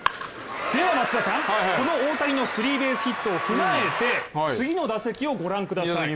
では松田さん、この大谷スリーベースヒットを踏まえて次の打席を御覧ください。